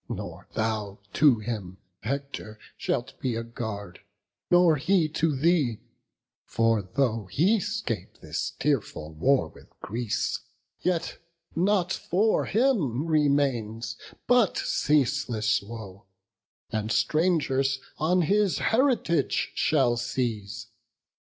nor thou to him, Hector, shalt be a guard, nor he to thee: For though he 'scape this tearful war with Greece, Yet nought for him remains but ceaseless woe, And strangers on his heritage shall seize.